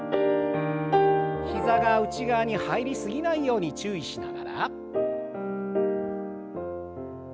膝が内側に入り過ぎないように注意しながら。